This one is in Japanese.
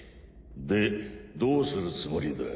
でどうするつもりだ？